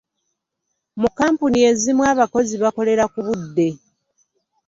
Mu kkampani ezimu, abakozi bakolera ku budde.